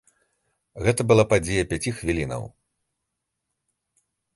Гэта была падзея пяці хвілінаў.